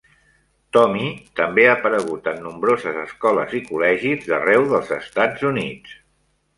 Tommy també ha aparegut en nombroses escoles i col·legis d'arreu dels Estats Units.